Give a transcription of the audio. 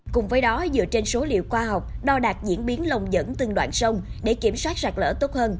cùng với đó dựa trên số liệu khoa học đo đạt diễn biến lồng dẫn từng đoạn sông để kiểm soát sạt lở tốt hơn